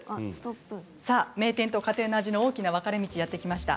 さあ名店と家庭の味の大きな分かれ道やってきました。